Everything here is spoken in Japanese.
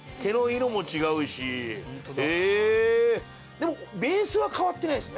でもベースは変わってないんですね。